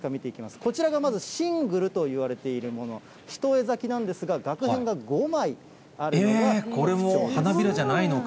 こちらがまずシングルといわれているもの、一重咲きなんですが、これも花びらじゃないのか。